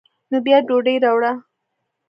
نو بیا ډوډۍ راوړه.